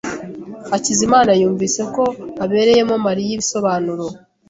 Hakizimana yumvise ko abereyemo Mariya ibisobanuro.